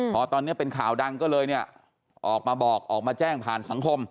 พอตอนนี้เป็นข่าวดังก็เลยเนี่ยออกมาบอกออกมาแจ้งผ่านสังคม